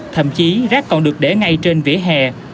thậm chí rác còn được để ngay trên vỉa hè